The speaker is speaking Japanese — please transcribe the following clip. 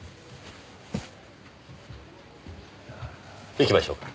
行きましょうか。